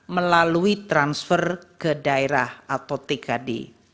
melalui transfer ke daerah atau tkd